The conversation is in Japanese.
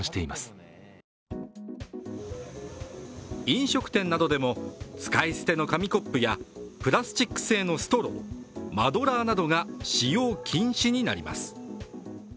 飲食店などでも、使い捨ての紙コップやプラスチック製のストロー、マドラーなどが使用禁止になります。